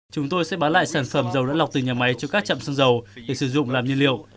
chúng tôi sẽ bán lại sản phẩm dầu đã lọc từ nhà máy cho các trạm xăng dầu để sử dụng làm nhiên liệu